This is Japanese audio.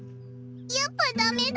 やっぱダメだ。